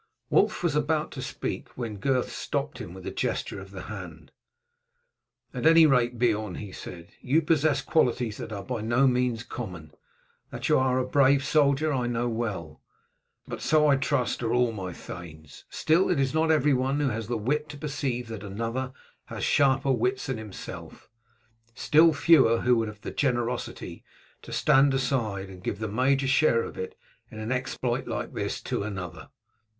Wulf was about to speak, when Gurth stopped him with a gesture of the hand. "At any rate, Beorn," he said, "you possess qualities that are by no means common. That you are a brave soldier I know well, but so I trust are all my thanes; still, it is not every one who has the wit to perceive that another has sharper wits than himself, still fewer who would have the generosity to stand aside and to give the major share in an exploit like this to another.